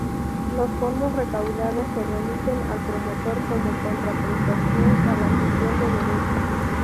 Los fondos recaudados se remiten al Promotor como contraprestación a la cesión de derechos.